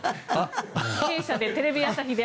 弊社で、テレビ朝日で。